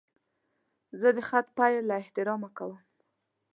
زه د خط پیل له احترامه کوم.